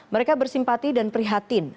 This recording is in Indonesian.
mereka bersimpati dan prihatin